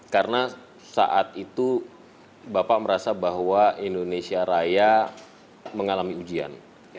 karena saat itu bapak merasa bahwa indonesia raya mengalami ujian